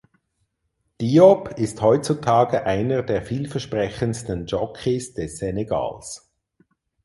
Diop ist heutzutage einer der vielversprechendsten Jockeys des Senegals.